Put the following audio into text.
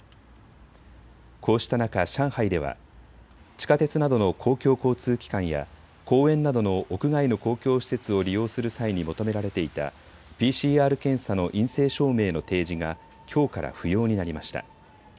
こうした中、上海では地下鉄などの公共交通機関や公園などの屋外の公共施設を利用する際に求められていたＰＣＲ検査の陰性証明の提示がきょうから不要になりました。